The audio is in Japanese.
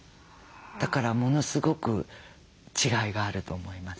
だからものすごく違いがあると思います。